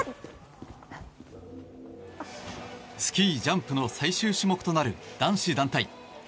スキージャンプの最終種目となる、男子団体。